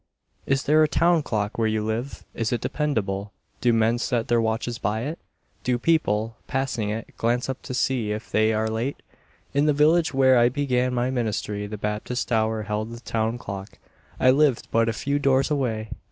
Is there a "town clock" where you live? Is it dependable? Do men set their watches by it? Do people, passing it, glance up to see if they are late? In the village where I began my ministry the Baptist tower held the town clock. I lived but a few doors away.